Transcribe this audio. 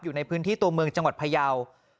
อยู่ในพื้นที่ตัวเมืองจังหวัดพยาว